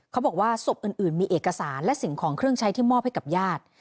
เขาบอกว่าศพอื่นมีเอกสารและสิ่งของเครื่องใช้ที่มอบให้กับญาติ